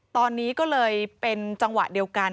ตอนนี้ก็เลยเป็นจังหวะเดียวกัน